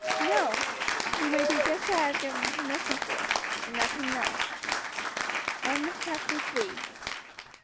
"No; you may do just what I have given permission for, and nothing else." CHAPTER FOURTH.